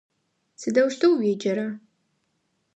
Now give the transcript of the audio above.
Сыдэущтэу уеджэра?